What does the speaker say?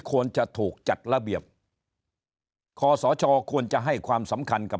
ควรจะถูกจัดระเบียบคอสชควรจะให้ความสำคัญกับ